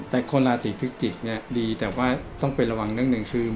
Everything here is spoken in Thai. แต่คนหลาศีภิกษ์จิกดีแต่ว่าต้องไประวังเรื่องหนึ่ง